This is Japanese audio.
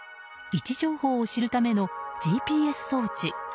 位置情報を知るためのＧＰＳ装置。